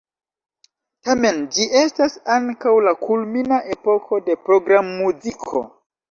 Tamen ĝi estas ankaŭ la kulmina epoko de programmuziko.